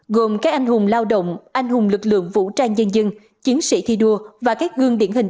gồm các anh hùng lao động anh hùng lực lượng vũ trang nhân dân chiến sĩ thi đua và các gương điển hình